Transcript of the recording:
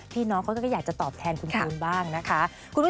น้องเขาก็อยากจะตอบแทนคุณคูณบ้างนะคะ